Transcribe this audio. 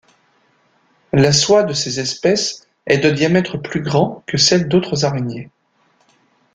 La soie de ces espèces est de diamètre plus grand que celle d'autres araignées.